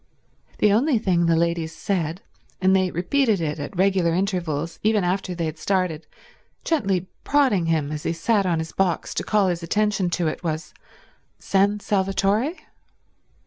The only thing the ladies said, and they repeated it at regular intervals, even after they had started, gently prodding him as he sat on his box to call his attention to it, was, "San Salvatore?"